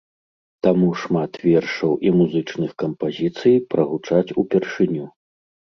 Таму шмат вершаў і музычных кампазіцый прагучаць упершыню.